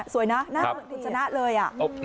สวยนะน่าบุจจันทร์เลย